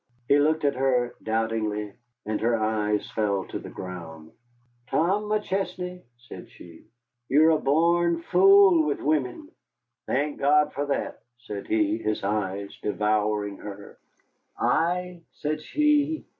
He looked at her doubtingly, and her eyes fell to the ground. "Tom McChesney," said she, "you're a born fool with wimmen." "Thank God for that," said he, his eyes devouring her. "Ay," said she.